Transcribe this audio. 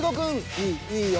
いいよ。いいのよ。